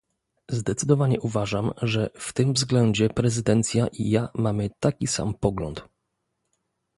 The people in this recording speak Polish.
Zdecydowanie uważam, że w tym względzie prezydencja i ja mamy taki sam pogląd